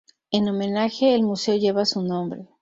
En homenaje, el Museo lleva su nombre.